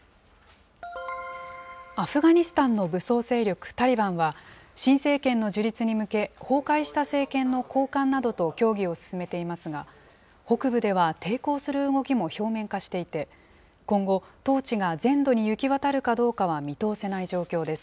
アフガニスタンの武装勢力タリバンは、新政権の樹立に向け、崩壊した政権の高官などと協議を進めていますが、北部では抵抗する動きも表面化していて、今後、統治が全土に行き渡るかどうかは見通せない状況です。